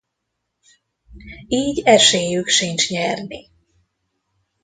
Így esélyük sincs nyerni.